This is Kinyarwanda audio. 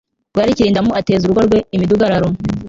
urarikira indamu ateza urugo rwe imidugararo